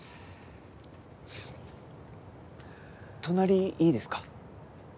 隣いいですか？